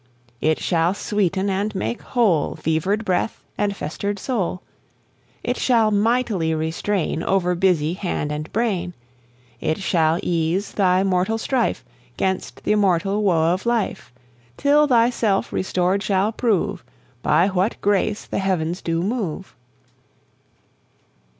It shall sweeten and make whole Fevered breath and festered soul; It shall mightily restrain Over busy hand and brain; it shall ease thy mortal strife 'Gainst the immortal woe of life, Till thyself restored shall prove By what grace the Heavens do move.